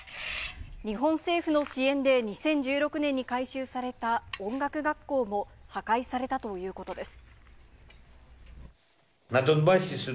日本政府の支援で２０１６年に改修された音楽学校も破壊されたということです。